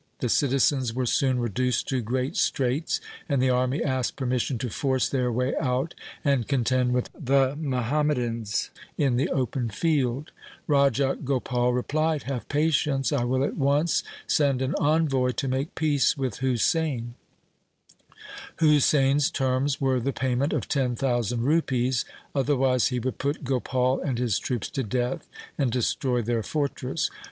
The citizens were soon reduced to great straits, and the army asked permission to force their way out and contend with the Muhammadans in the open field. Raj a Gopal replied, ' Have patience ; I will at once send an envoy to make peace with Husain.' Husain's terms were the payment of ten thousand rupees, otherwise he would put Gopal and his troops to death and destroy their fortress.